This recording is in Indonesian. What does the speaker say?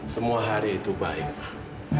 semua hari itu baik pak